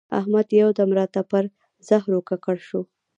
احمد یو دم راته پر زهرو ککړ شو.